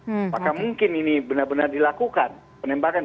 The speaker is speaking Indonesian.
apakah mungkin ini benar benar dilakukan penembakan